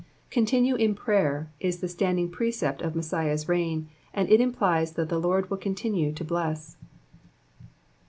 *' Continue in prayer" is the standing precept of Messiah's reign, and it im Elies that the Lord will continue to bless.